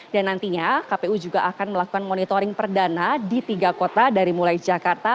dan nantinya kpu juga akan melakukan monitoring perdana di tiga kota dari mulai jakarta